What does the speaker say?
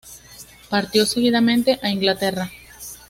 Partió seguidamente a Inglaterra.